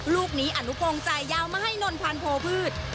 ลูกนี้อนุโพงใจยาวมาให้นนพันโพพืช